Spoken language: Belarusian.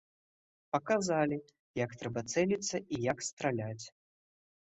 Паказалі, як трэба цэліцца і як страляць.